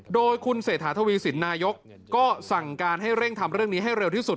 โดยคุณเศรษฐาทวีสินนายกก็สั่งการให้เร่งทำเรื่องนี้ให้เร็วที่สุด